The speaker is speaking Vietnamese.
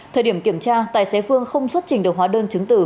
thời điểm kiểm tra tài xế phương không xuất trình được hóa đơn chứng từ